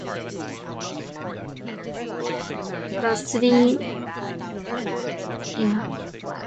The three year plan involved training staff and upgrading Internet management.